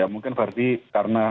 mungkin verdi karena